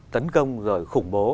tấn công rồi khủng bố